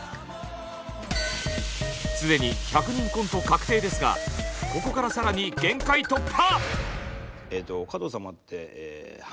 すでに１００人コント確定ですがここから更に限界突破！